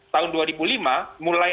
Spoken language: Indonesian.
tahun dua ribu lima mulai